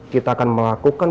kita akan melakukan